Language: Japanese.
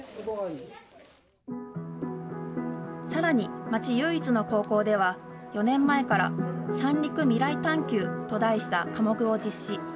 さらに町唯一の高校では、４年前から、三陸みらい探究と題した科目を実施。